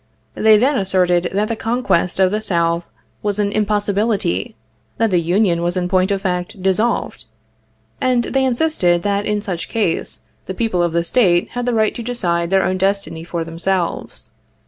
They then asserted that the conquest of the South was an impossibility, that the Union was in point of fact dissolved, and they insisted that in such case the people of the State had the right to decide their own destiny for themselves.